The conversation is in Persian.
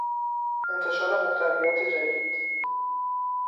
انتشار محتویات جدید